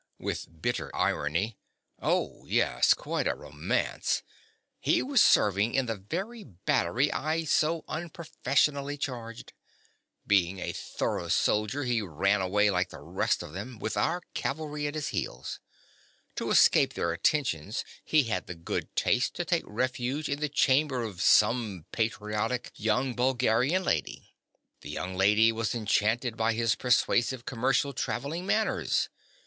(with bitter irony). Oh, yes, quite a romance. He was serving in the very battery I so unprofessionally charged. Being a thorough soldier, he ran away like the rest of them, with our cavalry at his heels. To escape their attentions, he had the good taste to take refuge in the chamber of some patriotic young Bulgarian lady. The young lady was enchanted by his persuasive commercial traveller's manners.